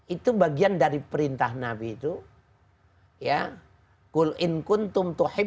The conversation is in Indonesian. itu bagian dari perintah nabi itu